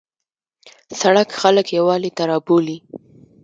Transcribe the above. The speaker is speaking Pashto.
سړک خلک یووالي ته رابولي.